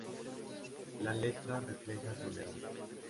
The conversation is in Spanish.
La letra refleja soledad.